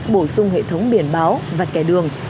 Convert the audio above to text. bổ sung hệ thống biển báo và kẻ đường